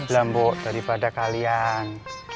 lambuk daripada kalian